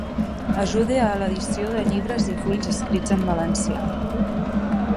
Ajude a l'edició de llibres i fulls escrits en valencià.